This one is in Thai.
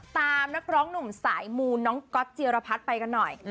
ตามนคร๑หนุ่มสายมูนน้องก็อซเจียระพัดไปกันหน่อย